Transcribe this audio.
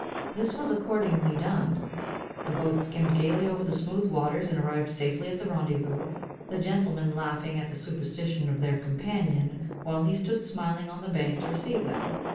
This was accordingly done: the boat skimmed gayly over the smooth waters, and arrived safely at the rendezvous, the gentlemen laughing at the superstition of their companion, while he stood smiling on the bank to receive them.